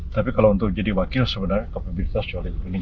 tapi kalau untuk jadi wakil sebenarnya kapabilitas jauh lebih tinggi